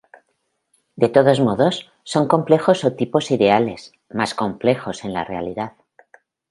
De todos modos, son modelos o tipos ideales, más complejos en la realidad.